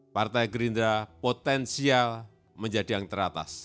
partai gerindra potensial menjadi yang teratas